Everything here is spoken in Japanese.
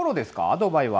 ドバイは。